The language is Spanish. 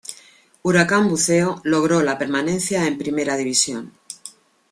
Huracán Buceo logró la permanencia en Primera División.